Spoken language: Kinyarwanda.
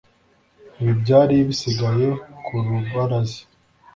Ibi byari bisigaye ku rubaraza